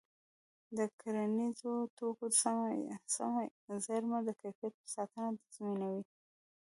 د کرنیزو توکو سمه زېرمه د کیفیت ساتنه تضمینوي.